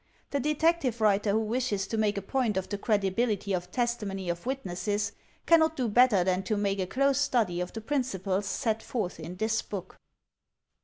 The detective writer who wishes to make a point of the credibility of testimony of witnesses cannot do better than to make a close study of the principles set forth in this book.